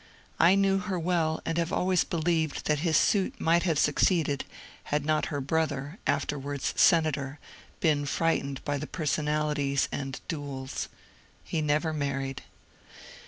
I knew her well and have always believed that his suit might have succeeded had not her brother (after wards senator) been frightened by the personalities and duels. He never married.